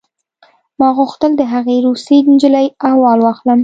ما غوښتل د هغې روسۍ نجلۍ احوال واخلم